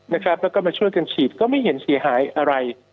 แล้วก็มาช่วยกันฉีดก็ไม่เห็นเสียหายอะไร